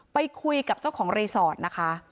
ไปคุยกับเจ้าของรีสอร์ทนะคะ